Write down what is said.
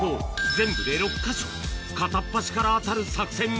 全部で６か所片っ端から当たる作戦